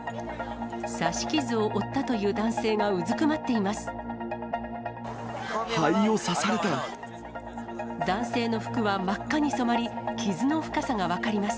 刺し傷を負ったという男性がうずくまっています。